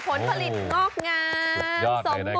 ผลผลิตงอกงามสมบูรณ์